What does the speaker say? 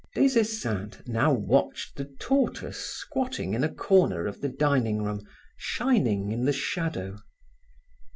Des Esseintes now watched the tortoise squatting in a corner of the dining room, shining in the shadow.